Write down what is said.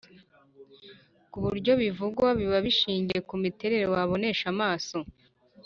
ku buryo ibivugwa biba bishingiye ku miterere wabonesha amaso